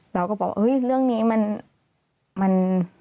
เราก็บอกเรื่องนี้มัน